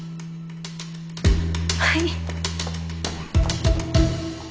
はい。